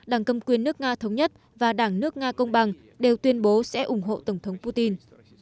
đảng cầm quyền nước nga thống nhất và đảng nước nga công bằng đều tuyên bố sẽ ủng hộ tổng thống putin